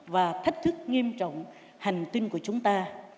và thách thức nghiêm trọng hành tinh của chúng ta